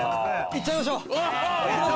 行っちゃいましょう。